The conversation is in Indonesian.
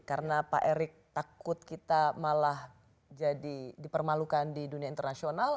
karena pak erick takut kita malah jadi dipermalukan di dunia internasional